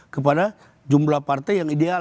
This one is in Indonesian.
kepada jumlah partai yang ideal